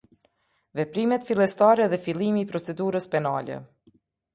Veprimet fillestare dhe fillimi i procedurës penale.